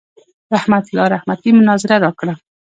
رحمت الله رحمتي مناظره راکړه.